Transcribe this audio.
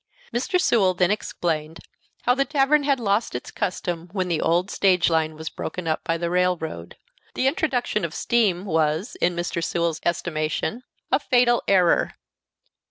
Mr. Sewell then explained how the tavern had lost its custom when the old stage line was broken up by the railroad. The introduction of steam was, in Mr. Sewell's estimation, a fatal error.